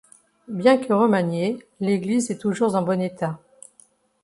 Bien que remaniée, l'église est toujours en bon état.